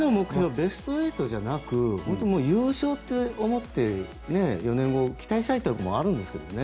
ベスト８じゃなく優勝と思って４年後、期待したいってところもあるんですけどね。